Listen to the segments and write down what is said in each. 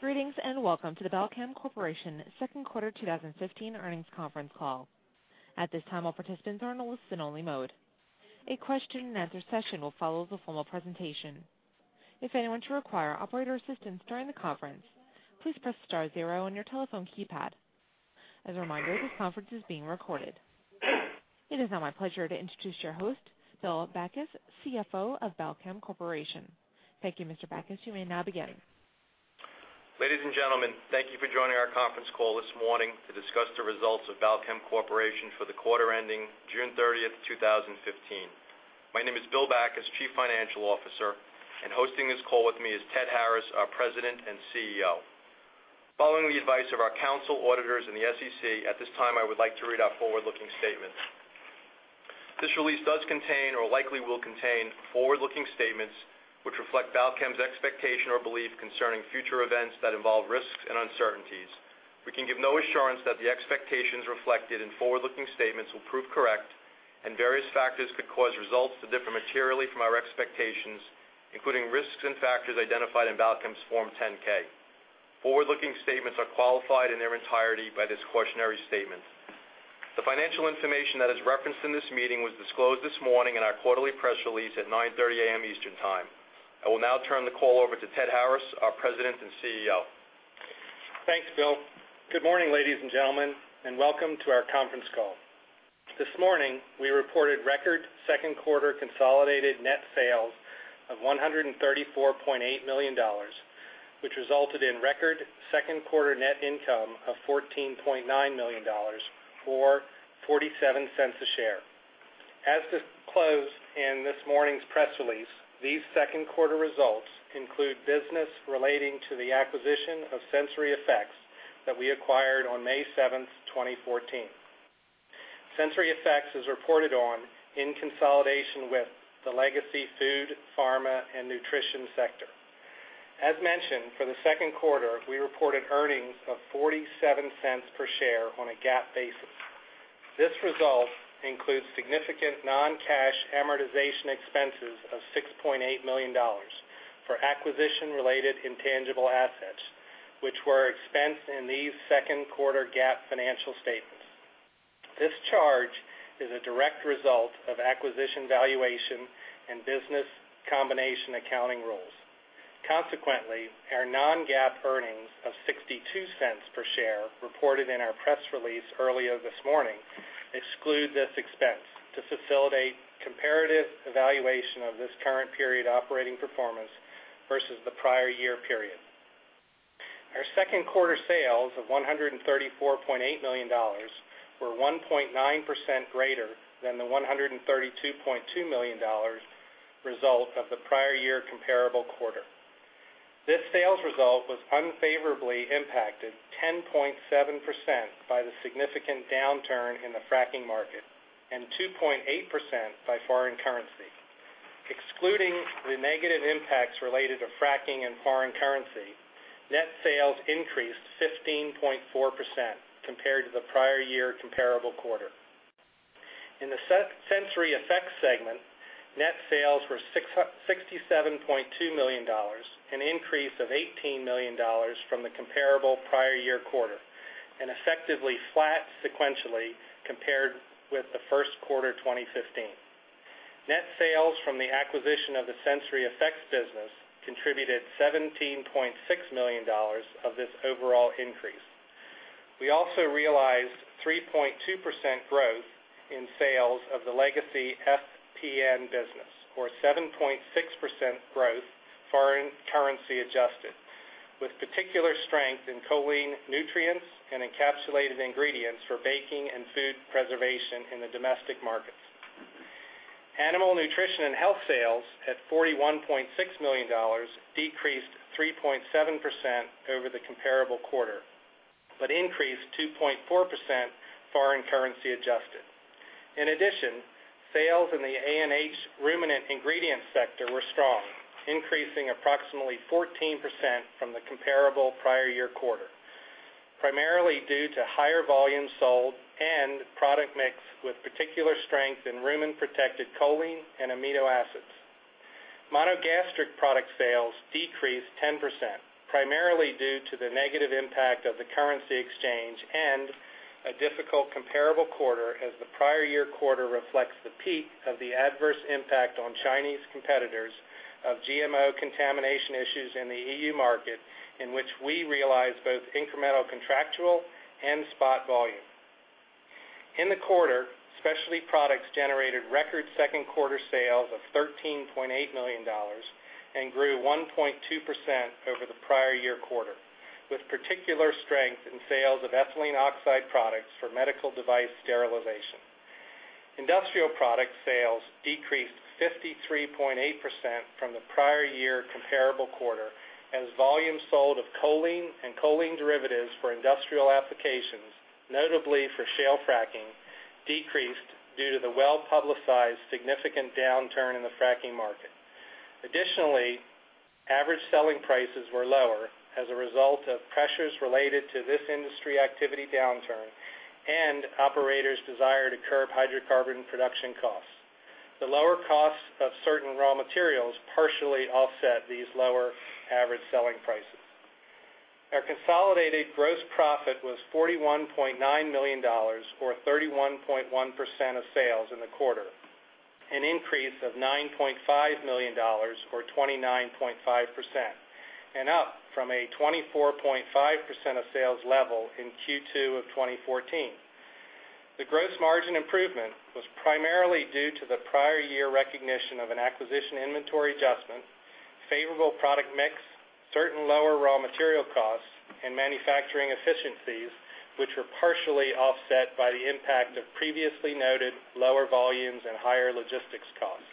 Greetings, welcome to the Balchem Corporation second quarter 2015 earnings conference call. At this time, all participants are in a listen-only mode. A question-and-answer session will follow the formal presentation. If anyone should require operator assistance during the conference, please press star zero on your telephone keypad. As a reminder, this conference is being recorded. It is now my pleasure to introduce your host, Bill Backus, CFO of Balchem Corporation. Thank you, Mr. Backus. You may now begin. Ladies, gentlemen, thank you for joining our conference call this morning to discuss the results of Balchem Corporation for the quarter ending June 30th, 2015. My name is Bill Backus, Chief Financial Officer, and hosting this call with me is Ted Harris, our President and CEO. Following the advice of our council, auditors, the SEC, at this time, I would like to read our forward-looking statement. This release does contain or likely will contain forward-looking statements which reflect Balchem's expectation or belief concerning future events that involve risks and uncertainties. We can give no assurance that the expectations reflected in forward-looking statements will prove correct, various factors could cause results to differ materially from our expectations, including risks and factors identified in Balchem's Form 10-K. Forward-looking statements are qualified in their entirety by this cautionary statement. The financial information that is referenced in this meeting was disclosed this morning in our quarterly press release at 9:30 A.M. Eastern Time. I will now turn the call over to Ted Harris, our President and CEO. Thanks, Bill. Good morning, ladies, gentlemen, welcome to our conference call. This morning, we reported record second quarter consolidated net sales of $134.8 million, which resulted in record second quarter net income of $14.9 million, or $0.47 a share. As disclosed in this morning's press release, these second quarter results include business relating to the acquisition of SensoryEffects that we acquired on May 7th, 2014. SensoryEffects is reported on in consolidation with the legacy food, pharma, nutrition sector. As mentioned, for the second quarter, we reported earnings of $0.47 per share on a GAAP basis. This result includes significant non-cash amortization expenses of $6.8 million for acquisition-related intangible assets, which were expensed in these second quarter GAAP financial statements. This charge is a direct result of acquisition valuation and business combination accounting rules. Consequently, our non-GAAP earnings of $0.62 per share reported in our press release earlier this morning exclude this expense to facilitate comparative evaluation of this current period operating performance versus the prior year period. Our second quarter sales of $134.8 million were 1.9% greater than the $132.2 million result of the prior year comparable quarter. This sales result was unfavorably impacted 10.7% by the significant downturn in the fracking market and 2.8% by foreign currency. Excluding the negative impacts related to fracking and foreign currency, net sales increased 15.4% compared to the prior year comparable quarter. In the SensoryEffects segment, net sales were $67.2 million, an increase of $18 million from the comparable prior year quarter, and effectively flat sequentially compared with the first quarter 2015. Net sales from the acquisition of the SensoryEffects business contributed $17.6 million of this overall increase. We also realized 3.2% growth in sales of the legacy FPN business or 7.6% growth foreign currency adjusted, with particular strength in choline nutrients and encapsulated ingredients for baking and food preservation in the domestic markets. Animal Nutrition & Health sales at $41.6 million decreased 3.7% over the comparable quarter, but increased 2.4% foreign currency adjusted. In addition, sales in the ANH ruminant ingredient sector were strong, increasing approximately 14% from the comparable prior year quarter, primarily due to higher volume sold and product mix with particular strength in rumen-protected choline and amino acids. Monogastric product sales decreased 10%, primarily due to the negative impact of the currency exchange and a difficult comparable quarter as the prior year quarter reflects the peak of the adverse impact on Chinese competitors of GMO contamination issues in the EU market, in which we realized both incremental contractual and spot volume. In the quarter, Specialty Products generated record second quarter sales of $13.8 million and grew 1.2% over the prior year quarter, with particular strength in sales of ethylene oxide products for medical device sterilization. Industrial product sales decreased 53.8% from the prior year comparable quarter as volume sold of choline and choline derivatives for industrial applications, notably for shale fracking, decreased due to the well-publicized significant downturn in the fracking market. Additionally, average selling prices were lower as a result of pressures related to this industry activity downturn and operators' desire to curb hydrocarbon production costs. The lower cost of certain raw materials partially offset these lower average selling prices. Our consolidated gross profit was $41.9 million, or 31.1% of sales in the quarter, an increase of $9.5 million or 29.5%, and up from a 24.5% of sales level in Q2 of 2014. The gross margin improvement was primarily due to the prior year recognition of an acquisition inventory adjustment, favorable product mix, certain lower raw material costs, and manufacturing efficiencies, which were partially offset by the impact of previously noted lower volumes and higher logistics costs.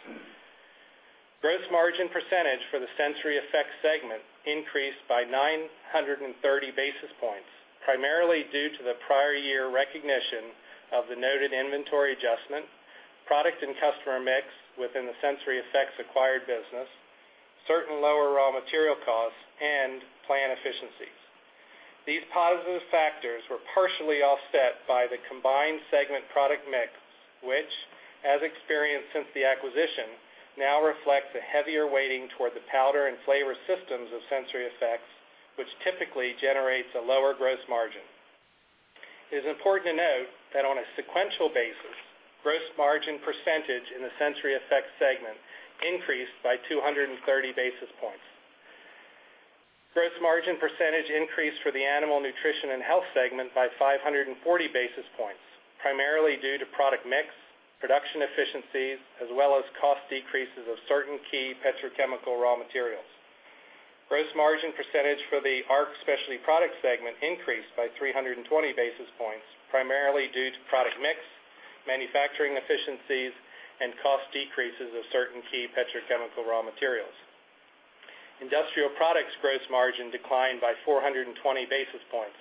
Gross margin percentage for the SensoryEffects segment increased by 930 basis points, primarily due to the prior year recognition of the noted inventory adjustment, product and customer mix within the SensoryEffects acquired business, certain lower raw material costs, and plant efficiencies. These positive factors were partially offset by the combined segment product mix, which, as experienced since the acquisition, now reflects a heavier weighting toward the powder and flavor systems of SensoryEffects, which typically generates a lower gross margin. It is important to note that on a sequential basis, gross margin percentage in the SensoryEffects segment increased by 230 basis points. Gross margin percentage increased for the Animal Nutrition & Health segment by 540 basis points, primarily due to product mix, production efficiencies, as well as cost decreases of certain key petrochemical raw materials. Gross margin percentage for the ARC Specialty Products segment increased by 320 basis points, primarily due to product mix, manufacturing efficiencies, and cost decreases of certain key petrochemical raw materials. Industrial Products' gross margin declined by 420 basis points,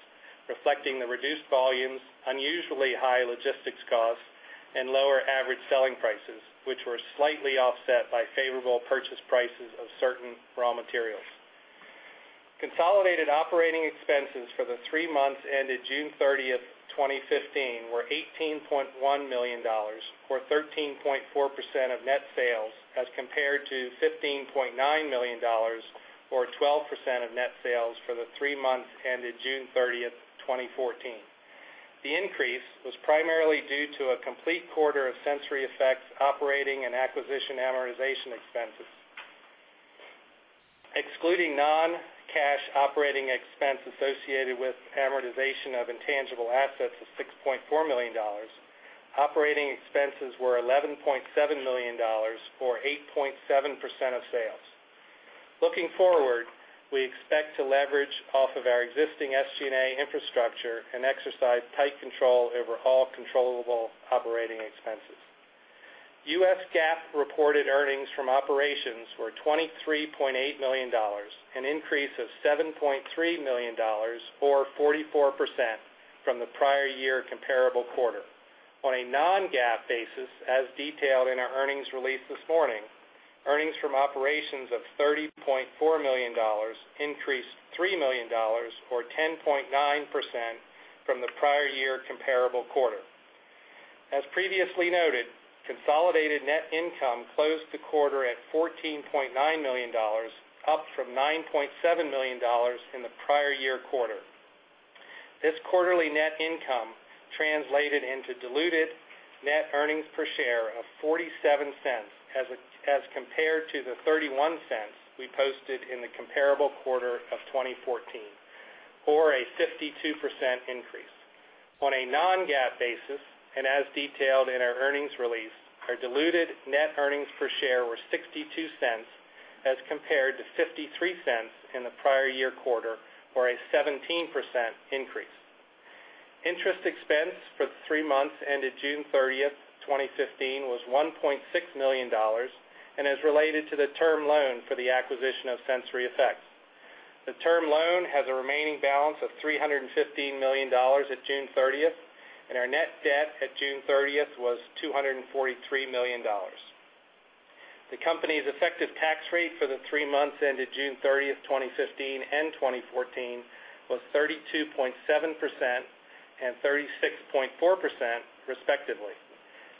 reflecting the reduced volumes, unusually high logistics costs, and lower average selling prices, which were slightly offset by favorable purchase prices of certain raw materials. Consolidated operating expenses for the three months ended June 30th, 2015, were $18.1 million, or 13.4% of net sales, as compared to $15.9 million, or 12% of net sales for the three months ended June 30th, 2014. The increase was primarily due to a complete quarter of SensoryEffects operating and acquisition amortization expenses. Excluding non-cash operating expense associated with amortization of intangible assets of $6.4 million, operating expenses were $11.7 million, or 8.7% of sales. Looking forward, we expect to leverage off of our existing SG&A infrastructure and exercise tight control over all controllable operating expenses. U.S. GAAP reported earnings from operations were $23.8 million, an increase of $7.3 million, or 44%, from the prior year comparable quarter. On a non-GAAP basis, as detailed in our earnings release this morning, earnings from operations of $30.4 million increased $3 million, or 10.9%, from the prior year comparable quarter. As previously noted, consolidated net income closed the quarter at $14.9 million, up from $9.7 million in the prior year quarter. This quarterly net income translated into diluted net earnings per share of $0.47 as compared to the $0.31 we posted in the comparable quarter of 2014, or a 52% increase. On a non-GAAP basis, and as detailed in our earnings release, our diluted net earnings per share were $0.62 as compared to $0.53 in the prior year quarter, or a 17% increase. Interest expense for the three months ended June 30th, 2015, was $1.6 million and is related to the term loan for the acquisition of SensoryEffects. The term loan has a remaining balance of $315 million at June 30th, and our net debt at June 30th was $243 million. The company's effective tax rate for the three months ended June 30th, 2015, and 2014, was 32.7% and 36.4% respectively.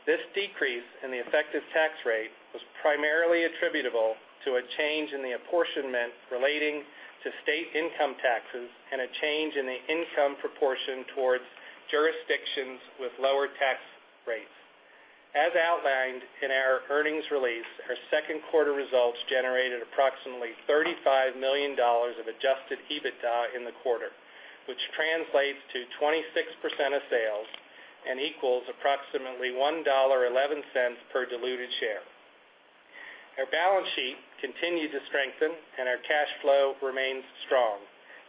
This decrease in the effective tax rate was primarily attributable to a change in the apportionment relating to state income taxes and a change in the income proportion towards jurisdictions with lower tax rates. As outlined in our earnings release, our second quarter results generated approximately $35 million of adjusted EBITDA in the quarter, which translates to 26% of sales and equals approximately $1.11 per diluted share. Our balance sheet continued to strengthen, and our cash flow remains strong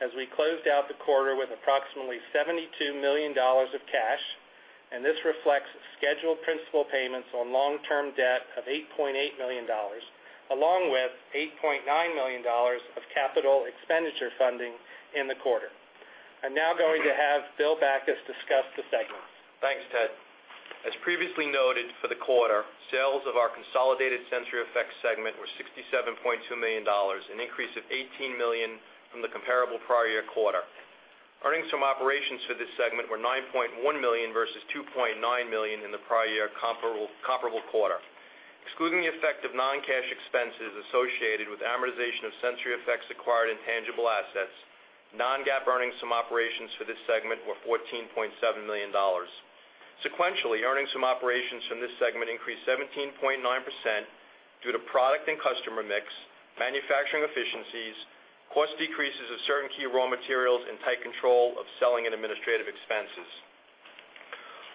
as we closed out the quarter with approximately $72 million of cash, and this reflects scheduled principal payments on long-term debt of $8.8 million, along with $8.9 million of capital expenditure funding in the quarter. I'm now going to have Bill Backus discuss the segments. Thanks, Ted. As previously noted, for the quarter, sales of our consolidated SensoryEffects segment were $67.2 million, an increase of $18 million from the comparable prior year quarter. Earnings from operations for this segment were $9.1 million versus $2.9 million in the prior year comparable quarter. Excluding the effect of non-cash expenses associated with amortization of SensoryEffects acquired intangible assets, non-GAAP earnings from operations for this segment were $14.7 million. Sequentially, earnings from operations from this segment increased 17.9% due to product and customer mix, manufacturing efficiencies, cost decreases of certain key raw materials, and tight control of selling and administrative expenses.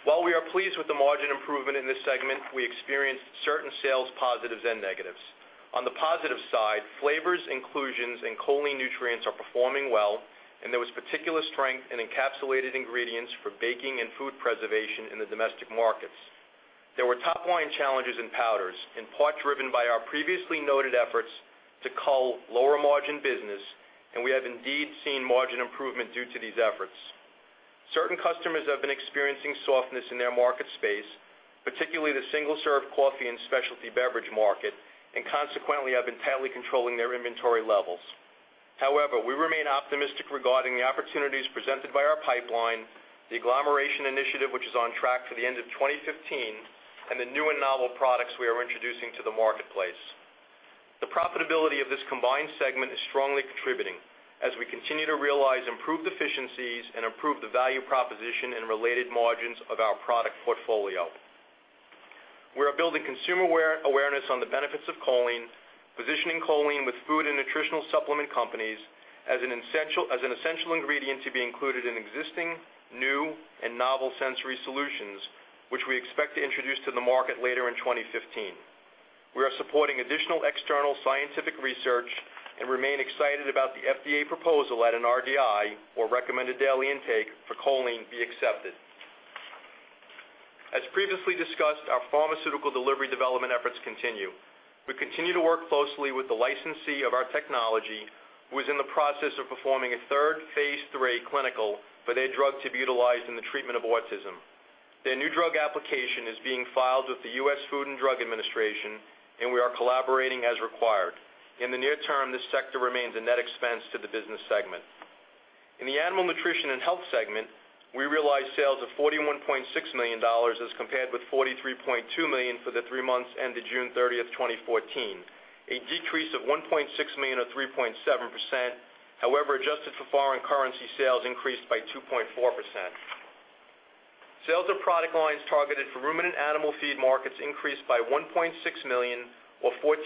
While we are pleased with the margin improvement in this segment, we experienced certain sales positives and negatives. On the positive side, flavors, inclusions, and choline nutrients are performing well, and there was particular strength in encapsulated ingredients for baking and food preservation in the domestic markets. There were top-line challenges in powders, in part driven by our previously noted efforts to cull lower-margin business. We have indeed seen margin improvement due to these efforts. Certain customers have been experiencing softness in their market space, particularly the single-serve coffee and specialty beverage market. Consequently have been tightly controlling their inventory levels. We remain optimistic regarding the opportunities presented by our pipeline, the agglomeration initiative, which is on track for the end of 2015, and the new and novel products we are introducing to the marketplace. The profitability of this combined segment is strongly contributing as we continue to realize improved efficiencies and improve the value proposition and related margins of our product portfolio. We are building consumer awareness on the benefits of choline, positioning choline with food and nutritional supplement companies as an essential ingredient to be included in existing, new, and novel sensory solutions, which we expect to introduce to the market later in 2015. We are supporting additional external scientific research and remain excited about the FDA proposal that an RDI, or Recommended Daily Intake, for choline be accepted. As previously discussed, our pharmaceutical delivery development efforts continue. We continue to work closely with the licensee of our technology, who is in the process of performing a third phase III clinical for their drug to be utilized in the treatment of autism. Their new drug application is being filed with the U.S. Food and Drug Administration. We are collaborating as required. In the near term, this sector remains a net expense to the business segment. In the Animal Nutrition & Health segment, we realized sales of $41.6 million as compared with $43.2 million for the three months ended June 30th, 2014, a decrease of $1.6 million or 3.7%. However, adjusted for foreign currency, sales increased by 2.4%. Sales of product lines targeted for ruminant animal feed markets increased by $1.6 million or 14%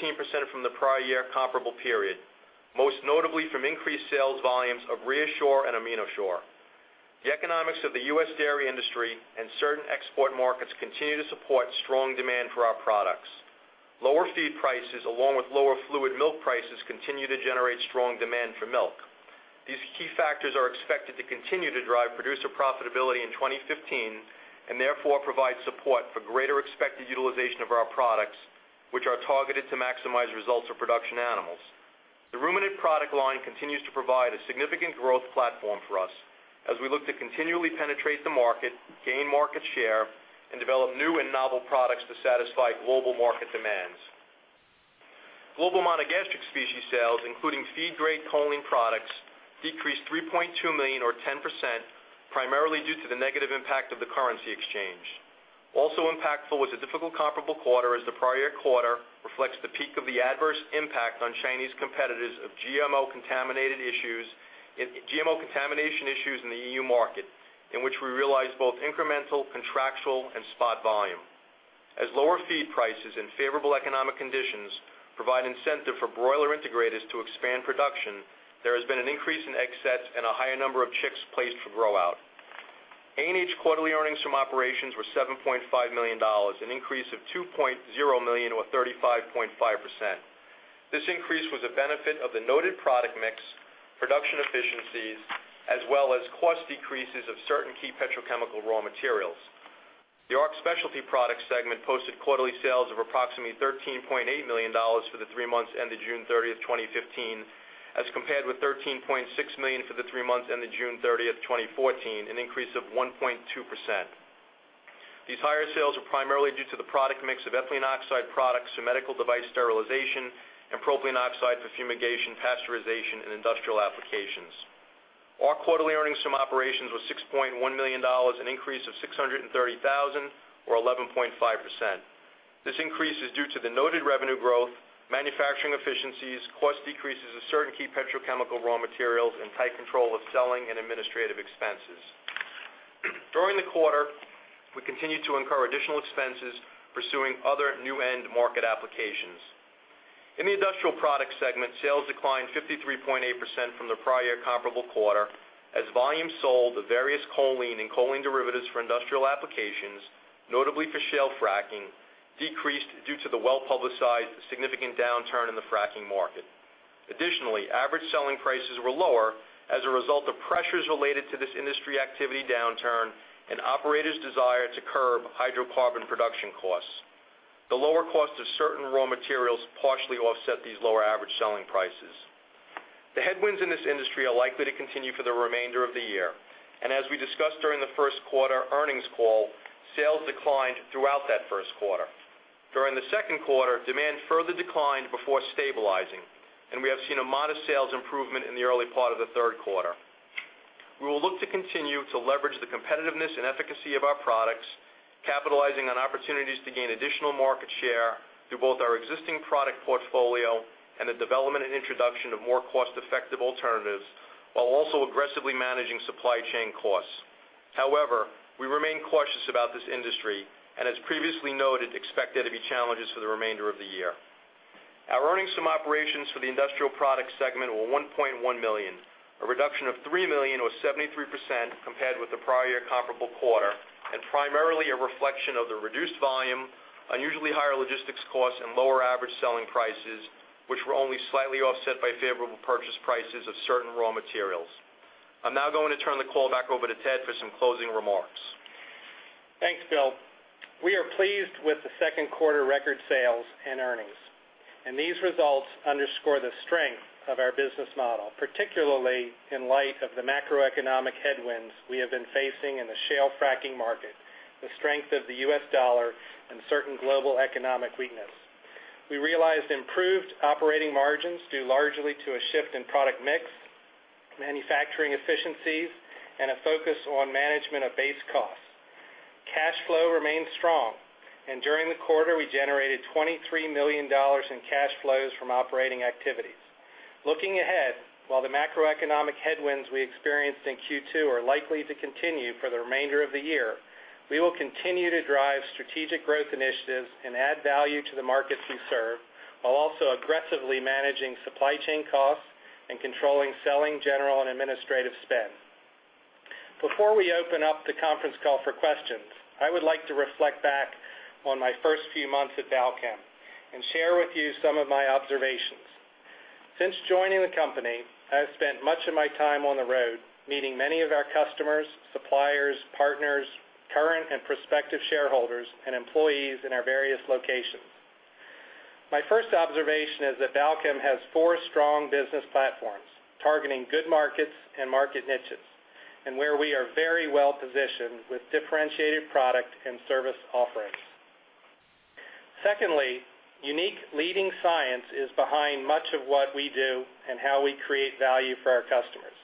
from the prior year comparable period, most notably from increased sales volumes of ReaShure and AminoShure. The economics of the U.S. dairy industry and certain export markets continue to support strong demand for our products. Lower feed prices, along with lower fluid milk prices, continue to generate strong demand for milk. These key factors are expected to continue to drive producer profitability in 2015 and therefore provide support for greater expected utilization of our products, which are targeted to maximize results for production animals. The ruminant product line continues to provide a significant growth platform for us as we look to continually penetrate the market, gain market share, and develop new and novel products to satisfy global market demands. Global monogastric species sales, including feed-grade choline products, decreased $3.2 million or 10%, primarily due to the negative impact of the currency exchange. Also impactful was a difficult comparable quarter as the prior year quarter reflects the peak of the adverse impact on Chinese competitors of GMO contamination issues in the EU market, in which we realized both incremental, contractual, and spot volume. As lower feed prices and favorable economic conditions provide incentive for broiler integrators to expand production, there has been an increase in egg sets and a higher number of chicks placed for grow-out. ANH quarterly earnings from operations were $7.5 million, an increase of $2.0 million or 35.5%. This increase was a benefit of the noted product mix, production efficiencies, as well as cost decreases of certain key petrochemical raw materials. The ARC Specialty Products segment posted quarterly sales of approximately $13.8 million for the three months ended June 30th, 2015, as compared with $13.6 million for the three months ended June 30th, 2014, an increase of 1.2%. These higher sales are primarily due to the product mix of ethylene oxide products for medical device sterilization and propylene oxide for fumigation, pasteurization, and industrial applications. ARC quarterly earnings from operations was $6.1 million, an increase of $630,000 or 11.5%. This increase is due to the noted revenue growth, manufacturing efficiencies, cost decreases of certain key petrochemical raw materials, and tight control of selling and administrative expenses. During the quarter, we continued to incur additional expenses pursuing other new end market applications. In the Industrial Products segment, sales declined 53.8% from the prior comparable quarter as volume sold of various choline and choline derivatives for industrial applications, notably for shale fracking, decreased due to the well-publicized significant downturn in the fracking market. Additionally, average selling prices were lower as a result of pressures related to this industry activity downturn and operators' desire to curb hydrocarbon production costs. The lower cost of certain raw materials partially offset these lower average selling prices. The headwinds in this industry are likely to continue for the remainder of the year, as we discussed during the first quarter earnings call, sales declined throughout that first quarter. During the second quarter, demand further declined before stabilizing, and we have seen a modest sales improvement in the early part of the third quarter. We will look to continue to leverage the competitiveness and efficacy of our products, capitalizing on opportunities to gain additional market share through both our existing product portfolio and the development and introduction of more cost-effective alternatives, while also aggressively managing supply chain costs. However, we remain cautious about this industry, and as previously noted, expect there to be challenges for the remainder of the year. Our earnings from operations for the industrial products segment were $1.1 million, a reduction of $3 million or 73% compared with the prior comparable quarter, and primarily a reflection of the reduced volume, unusually higher logistics costs, and lower average selling prices, which were only slightly offset by favorable purchase prices of certain raw materials. I am now going to turn the call back over to Ted for some closing remarks. Thanks, Bill. We are pleased with the second quarter record sales and earnings. These results underscore the strength of our business model, particularly in light of the macroeconomic headwinds we have been facing in the shale fracking market, the strength of the U.S. dollar, and certain global economic weakness. We realized improved operating margins due largely to a shift in product mix, manufacturing efficiencies, and a focus on management of base costs. Cash flow remains strong, and during the quarter, we generated $23 million in cash flows from operating activities. Looking ahead, while the macroeconomic headwinds we experienced in Q2 are likely to continue for the remainder of the year, we will continue to drive strategic growth initiatives and add value to the markets we serve, while also aggressively managing supply chain costs and controlling selling, general, and administrative spend. Before we open up the conference call for questions, I would like to reflect back on my first few months at Balchem and share with you some of my observations. Since joining the company, I have spent much of my time on the road, meeting many of our customers, suppliers, partners, current and prospective shareholders, and employees in our various locations. My first observation is that Balchem has four strong business platforms targeting good markets and market niches, and where we are very well-positioned with differentiated product and service offerings. Secondly, unique leading science is behind much of what we do and how we create value for our customers.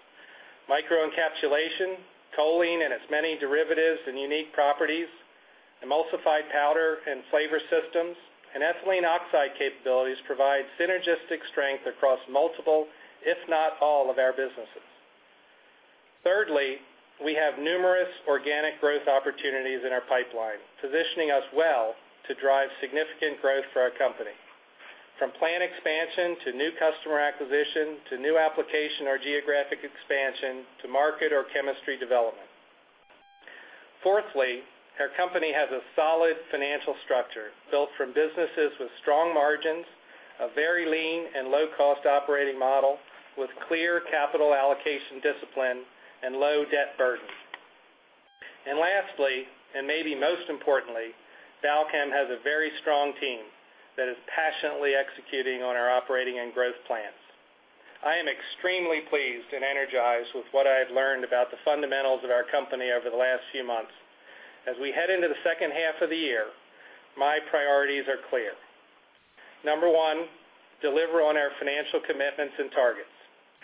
microencapsulation, choline and its many derivatives and unique properties, emulsified powder and flavor systems, and ethylene oxide capabilities provide synergistic strength across multiple, if not all, of our businesses. Thirdly, we have numerous organic growth opportunities in our pipeline, positioning us well to drive significant growth for our company, from plant expansion to new customer acquisition, to new application or geographic expansion, to market or chemistry development. Fourthly, our company has a solid financial structure built from businesses with strong margins, a very lean and low-cost operating model with clear capital allocation discipline and low debt burden. Lastly, and maybe most importantly, Balchem has a very strong team that is passionately executing on our operating and growth plans. I am extremely pleased and energized with what I have learned about the fundamentals of our company over the last few months. As we head into the second half of the year, my priorities are clear. Number one, deliver on our financial commitments and targets.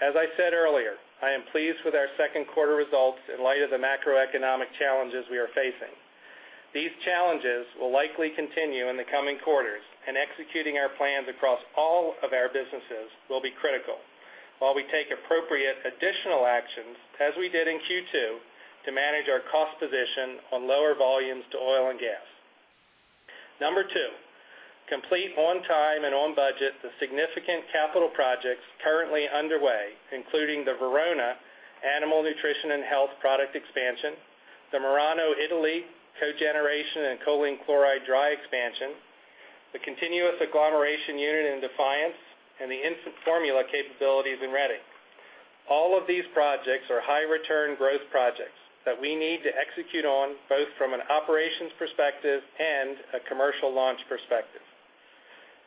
As I said earlier, I am pleased with our second quarter results in light of the macroeconomic challenges we are facing. These challenges will likely continue in the coming quarters. Executing our plans across all of our businesses will be critical while we take appropriate additional actions, as we did in Q2, to manage our cost position on lower volumes to oil and gas. Number 2, complete on time and on budget the significant capital projects currently underway, including the Verona, Missouri Animal Nutrition & Health product expansion, the Marano Ticino, Italy cogeneration and choline chloride dry expansion, the continuous agglomeration unit in Defiance, Ohio, and the infant formula capabilities in Redding. All of these projects are high-return growth projects that we need to execute on, both from an operations perspective and a commercial launch perspective.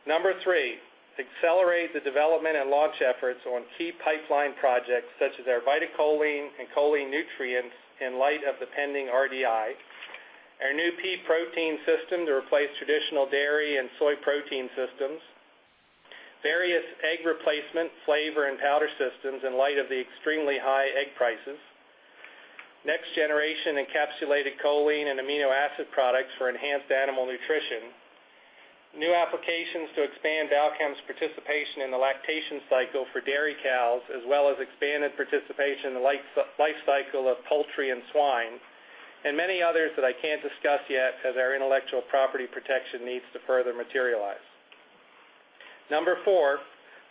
Number 3, accelerate the development and launch efforts on key pipeline projects such as our VitaCholine and choline nutrients in light of the pending RDI, our new pea protein system to replace traditional dairy and soy protein systems, various egg replacement flavor and powder systems in light of the extremely high egg prices, next-generation encapsulated choline and amino acid products for enhanced animal nutrition, new applications to expand Balchem's participation in the lactation cycle for dairy cows, as well as expanded participation in the life cycle of poultry and swine. Many others that I can't discuss yet as our intellectual property protection needs to further materialize. Number 4,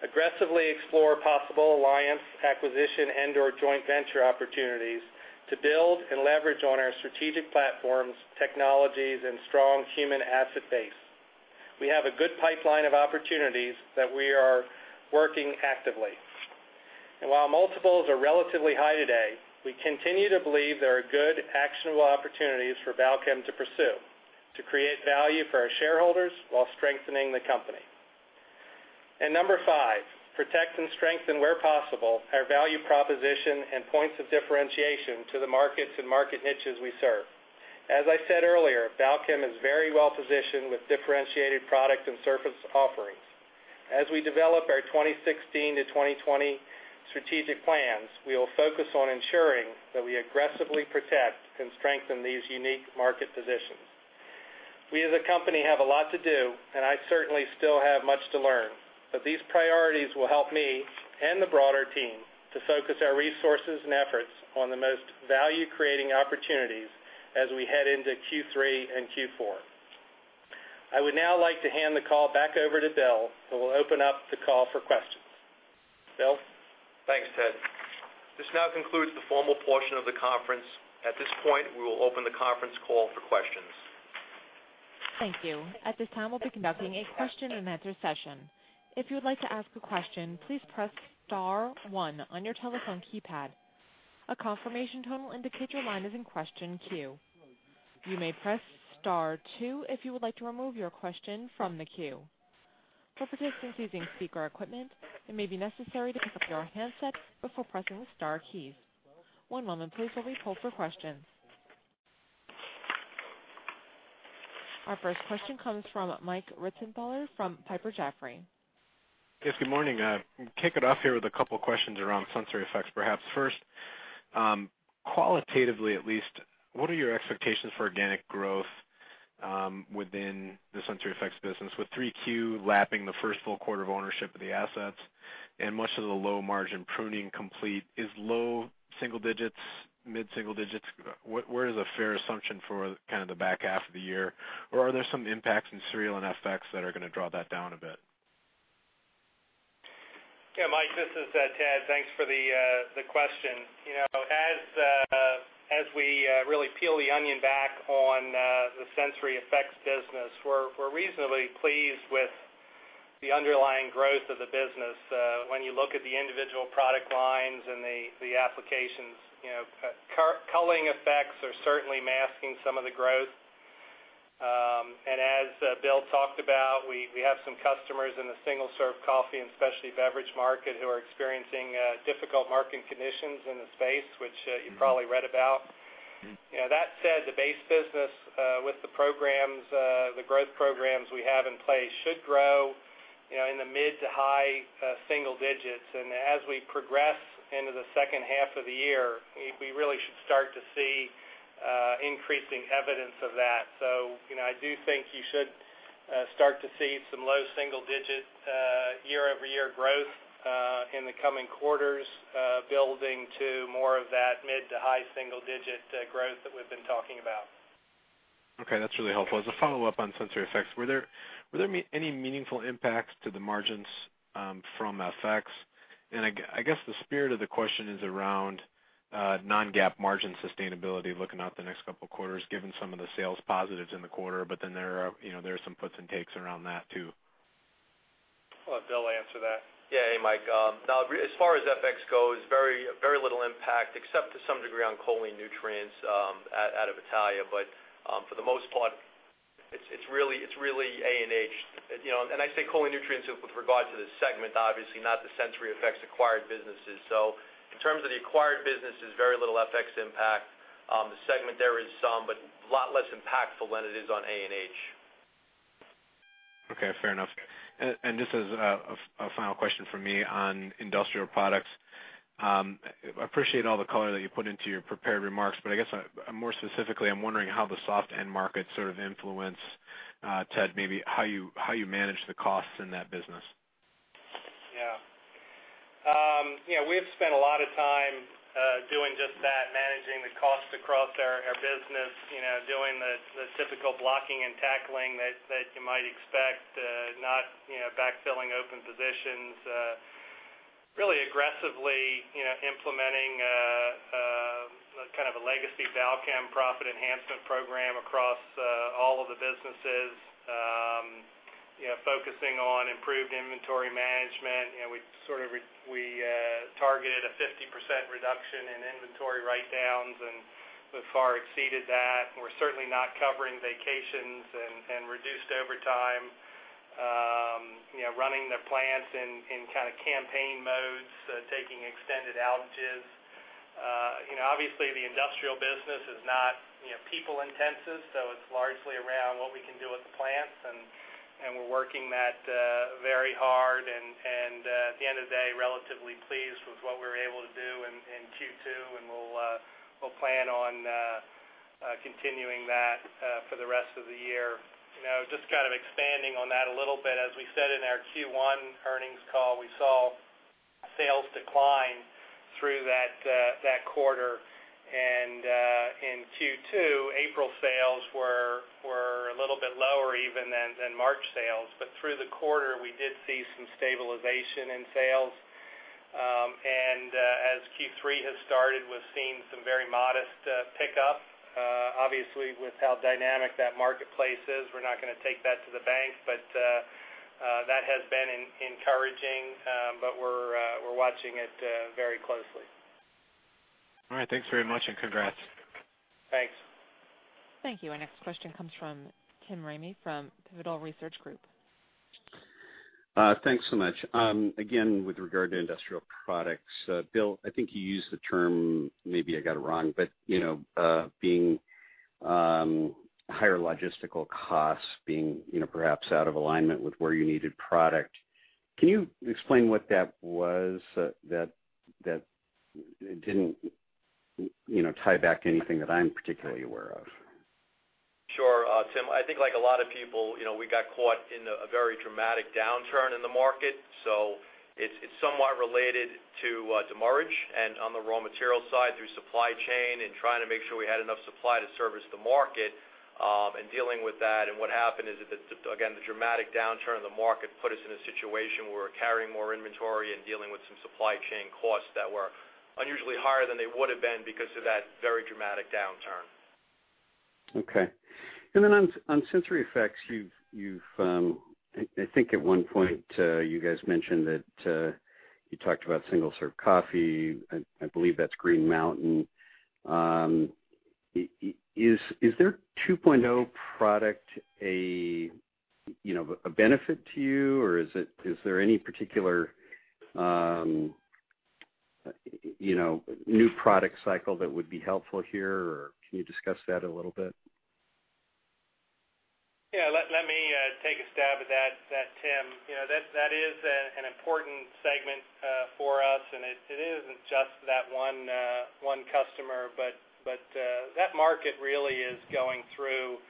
aggressively explore possible alliance, acquisition, and/or joint venture opportunities to build and leverage on our strategic platforms, technologies, and strong human asset base. We have a good pipeline of opportunities that we are working actively. While multiples are relatively high today, we continue to believe there are good, actionable opportunities for Balchem to pursue to create value for our shareholders while strengthening the company. Number 5, protect and strengthen where possible our value proposition and points of differentiation to the markets and market niches we serve. As I said earlier, Balchem is very well positioned with differentiated product and service offerings. As we develop our 2016 to 2020 strategic plans, we will focus on ensuring that we aggressively protect and strengthen these unique market positions. We as a company have a lot to do, and I certainly still have much to learn, but these priorities will help me and the broader team to focus our resources and efforts on the most value-creating opportunities as we head into Q3 and Q4. I would now like to hand the call back over to Bill, who will open up the call for questions. Bill? Thanks, Ted. This now concludes the formal portion of the conference. At this point, we will open the conference call for questions. Thank you. At this time, we'll be conducting a question-and-answer session. If you would like to ask a question, please press star 1 on your telephone keypad. A confirmation tone will indicate your line is in question queue. You may press star 2 if you would like to remove your question from the queue. For participants using speaker equipment, it may be necessary to pick up your handset before pressing the star keys. One moment please while we poll for questions. Our first question comes from Mike Ritzenthaler from Piper Jaffray. Yes, good morning. Kick it off here with a couple questions around SensoryEffects, perhaps. First, qualitatively at least, what are your expectations for organic growth within the SensoryEffects business with Q3 lapping the first full quarter of ownership of the assets and much of the low margin pruning complete. Is low single digits, mid-single digits, where is a fair assumption for the back half of the year? Or are there some impacts in cereal and FX that are going to draw that down a bit? Yeah, Mike, this is Ted. Thanks for the question. As we really peel the onion back on the SensoryEffects business, we're reasonably pleased with the underlying growth of the business. When you look at the individual product lines and the applications, culling effects are certainly masking some of the growth. As Bill talked about, we have some customers in the single-serve coffee and specialty beverage market who are experiencing difficult market conditions in the space, which you probably read about. That said, the base business with the growth programs we have in place should grow in the mid to high single digits. As we progress into the second half of the year, we really should start to see increasing evidence of that. I do think you should start to see some low single-digit year-over-year growth in the coming quarters building to more of that mid to high single-digit growth that we've been talking about. Okay, that's really helpful. As a follow-up on SensoryEffects, were there any meaningful impacts to the margins from FX? I guess the spirit of the question is around non-GAAP margin sustainability looking out the next couple of quarters, given some of the sales positives in the quarter, but then there are some puts and takes around that, too. I'll let Bill answer that. Yeah. Hey, Mike. As far as FX goes, very little impact except to some degree on choline nutrients out of Italy. For the most part, it's really ANH. I say choline nutrients with regard to the segment, obviously not the SensoryEffects acquired businesses. In terms of the acquired businesses, very little FX impact. The segment there is some, but a lot less impactful than it is on ANH. Okay, fair enough. Just as a final question from me on industrial products. I appreciate all the color that you put into your prepared remarks, but I guess more specifically, I'm wondering how the soft end markets sort of influence, Ted, maybe how you manage the costs in that business. Yeah. We've spent a lot of time doing just that, managing the costs across our business, doing the typical blocking and tackling that you might expect, not backfilling open positions, really aggressively implementing a kind of a legacy Balchem profit enhancement program across all of the businesses, focusing on improved inventory management. We targeted a 50% reduction in inventory write-downs and so far exceeded that. We're certainly not covering vacations and reduced overtime, running the plants in kind of campaign modes, taking extended outages. Obviously the industrial business is not people intensive, so it's largely around what we can do with the plants, and we're working that very hard and at the end of the day, relatively pleased with what we were able to do in Q2, and we'll plan on continuing that for the rest of the year. Just kind of expanding on that a little bit, as we said in our Q1 earnings call, we saw sales decline through that quarter. In Q2, April sales were a little bit lower even than March sales. Through the quarter, we did see some stabilization in sales. As Q3 has started, we've seen some very modest pickup. Obviously with how dynamic that marketplace is, we're not going to take that to the bank, but that has been encouraging. We're watching it very closely. All right, thanks very much, and congrats. Thanks. Thank you. Our next question comes from Tim Ramey from Pivotal Research Group. Thanks so much. Again, with regard to industrial products, Bill, I think you used the term, maybe I got it wrong, but being higher logistical costs, being perhaps out of alignment with where you needed product. Can you explain what that was? That didn't tie back to anything that I'm particularly aware of. Sure, Tim. I think like a lot of people, we got caught in a very dramatic downturn in the market, it's somewhat related to margin and on the raw material side, through supply chain and trying to make sure we had enough supply to service the market, and dealing with that. What happened is, again, the dramatic downturn in the market put us in a situation where we're carrying more inventory and dealing with some supply chain costs that were unusually higher than they would've been because of that very dramatic downturn. Okay. Then on SensoryEffects, I think at one point you guys mentioned that, you talked about single-serve coffee. I believe that's Green Mountain. Is their 2.0 product a benefit to you, or is there any particular new product cycle that would be helpful here, or can you discuss that a little bit? Yeah, let me take a stab at that, Tim. That is an important segment for us, and it isn't just that one customer, but that market really is going through,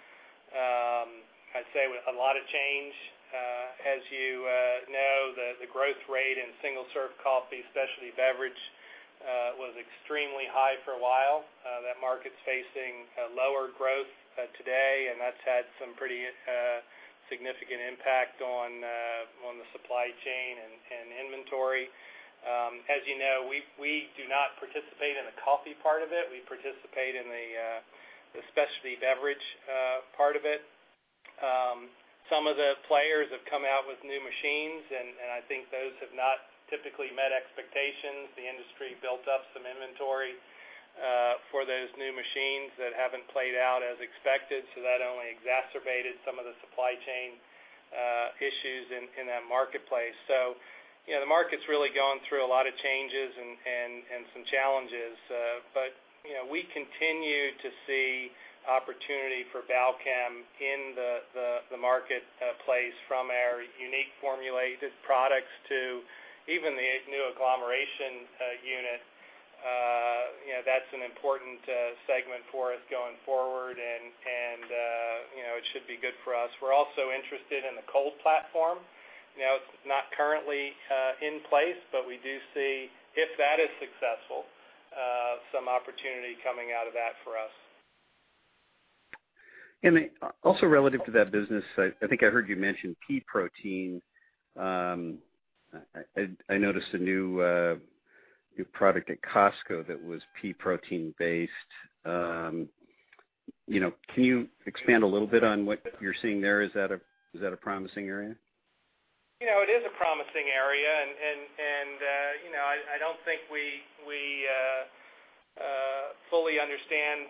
I'd say, a lot of change. As you know, the growth rate in single-serve coffee, specialty beverage, was extremely high for a while. That market's facing lower growth today, and that's had some pretty significant impact on the supply chain and inventory. As you know, we do not participate in the coffee part of it. We participate in the specialty beverage part of it. Some of the players have come out with new machines, and I think those have not typically met expectations. The industry built up some inventory for those new machines that haven't played out as expected, that only exacerbated some of the supply chain issues in that marketplace. The market's really gone through a lot of changes and some challenges. We continue to see opportunity for Balchem in the marketplace from our unique formulated products to even the new agglomeration unit. That's an important segment for us going forward and it should be good for us. We're also interested in the cold platform. It's not currently in place, but we do see, if that is successful, some opportunity coming out of that for us. Also relative to that business, I think I heard you mention pea protein. I noticed a new product at Costco that was pea protein based. Can you expand a little bit on what you're seeing there? Is that a promising area? It is a promising area, I don't think we fully understand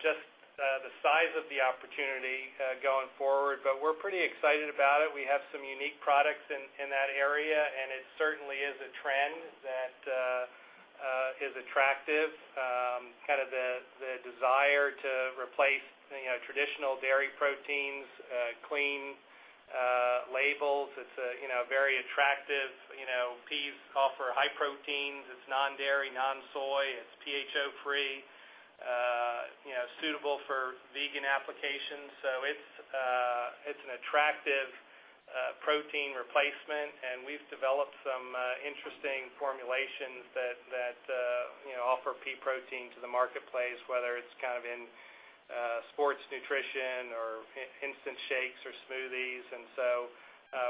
just the size of the opportunity going forward, we're pretty excited about it. We have some unique products in that area, it certainly is a trend that is attractive. Kind of the desire to replace traditional dairy proteins, clean labels. It's very attractive. Peas offer high proteins. It's non-dairy, non-soy, it's PHO-free. Suitable for vegan applications. It's an attractive protein replacement, we've developed some interesting formulations that offer pea protein to the marketplace, whether it's kind of in sports nutrition or instant shakes or smoothies.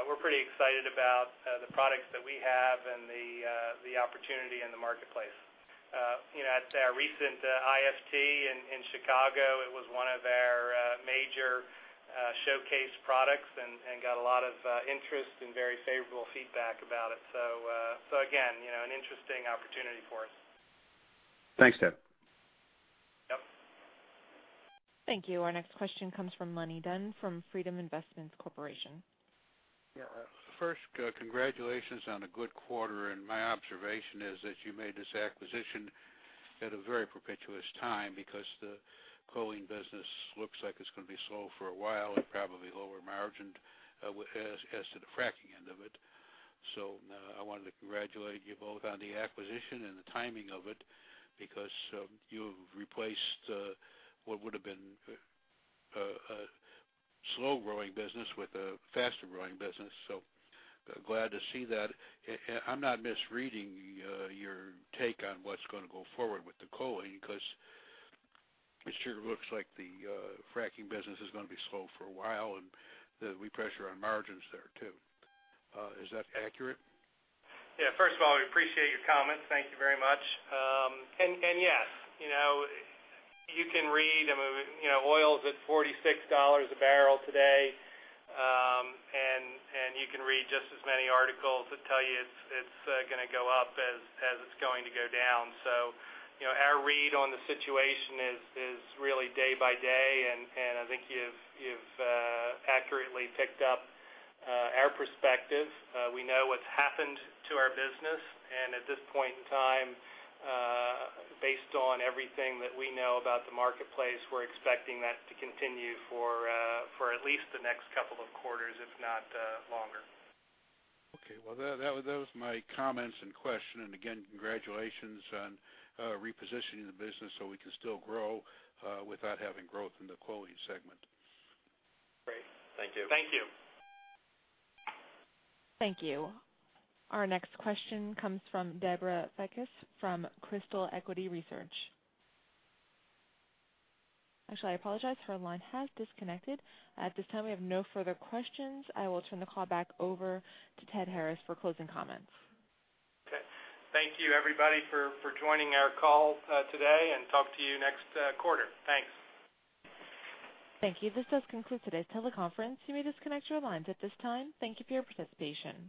We're pretty excited about the products that we have and the opportunity in the marketplace. At recent IFT in Chicago, it was one of their major showcase products and got a lot of interest and very favorable feedback about it. Again, an interesting opportunity for us. Thanks, Ted. Yep. Thank you. Our next question comes from Leonard Dunn from Freedom Investments, Inc.. Yeah. First, congratulations on a good quarter, and my observation is that you made this acquisition at a very propitious time because the choline business looks like it's going to be slow for a while and probably lower margin as to the fracking end of it. I wanted to congratulate you both on the acquisition and the timing of it, because you have replaced what would've been a slow-growing business with a faster-growing business. Glad to see that. I'm not misreading your take on what's going to go forward with the choline, because it sure looks like the fracking business is going to be slow for a while, and we pressure on margins there, too. Is that accurate? Yeah. First of all, we appreciate your comments. Thank you very much. Yes. Oil's at $46 a barrel today, and you can read just as many articles that tell you it's going to go up as it's going to go down. Our read on the situation is really day by day, and I think you've accurately picked up our perspective. We know what's happened to our business, and at this point in time, based on everything that we know about the marketplace, we're expecting that to continue for at least the next couple of quarters, if not longer. Well, that was my comments and question. Again, congratulations on repositioning the business so we can still grow without having growth in the choline segment. Great. Thank you. Thank you. Our next question comes from Deborah Fehr from Crystal Equity Research. Actually, I apologize. Her line has disconnected. At this time, we have no further questions. I will turn the call back over to Ted Harris for closing comments. Okay. Thank you everybody for joining our call today, and talk to you next quarter. Thanks. Thank you. This does conclude today's teleconference. You may disconnect your lines at this time. Thank you for your participation.